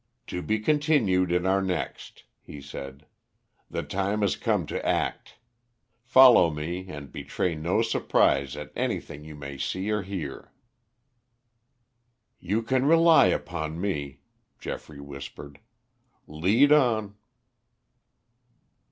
"To be continued in our next," he said. "The time has come to act. Follow me and betray no surprise at anything you may see or hear." "You can rely upon me," Geoffrey whispered. "Lead on."